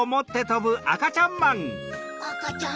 あかちゃん